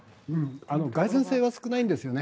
がい然性は少ないんですよね。